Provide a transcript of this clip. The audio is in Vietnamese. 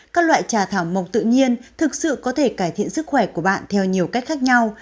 các loại trà thảo mộc tự nhiên thực sự có thể cải thiện sức khỏe của bạn theo nhiều cách khác nhau